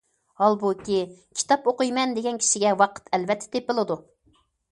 ھالبۇكى، كىتاب ئوقۇيمەن دېگەن كىشىگە ۋاقىت ئەلۋەتتە تېپىلىدۇ.